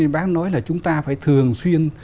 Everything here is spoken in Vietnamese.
bác nói là chúng ta phải thường xuyên